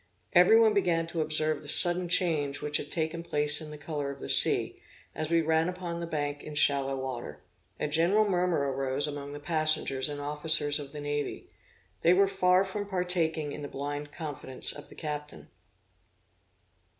Every one began to observe the sudden change which had taken place in the color of the sea, as we ran upon the bank in shallow water. A general murmur arose among the passengers and officers of the navy; they were far from partaking in the blind confidence of the captain.